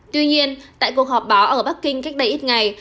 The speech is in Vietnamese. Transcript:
tuy nhiên tại cuộc họp báo ở bắc kinh cách đây ít ngày